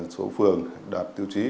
số phường đạt tiêu chí